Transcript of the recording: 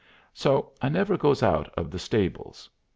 So I never goes out of the stables.